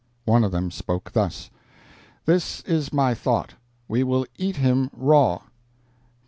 One of them spoke thus: 'This is my thought—we will eat him raw.'